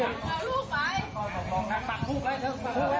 ขอบน้องนายขอบน้องนาย